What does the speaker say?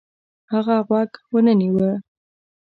هغه غوږ ونه نیوه.